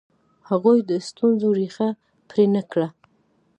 هغوی د ستونزو ریښه پرې نه کړه.